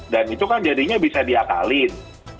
dan itu kan jadinya bisa diakalin